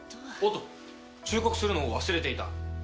おっと忠告するのを忘れていた。